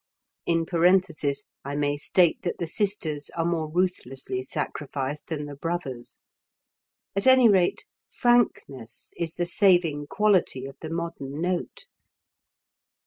(In parenthesis, I may state that the sisters are more ruthlessly sacrificed than the brothers.) At any rate, frankness is the saving quality of the modern note.